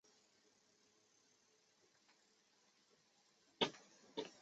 柏林动物园的努特在上一年就因为过度曝光而成为了国际明星。